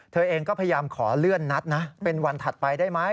เธอเองก็พยายามขอเลื่อนนัดนะเป็นวันถัดไปได้ไหม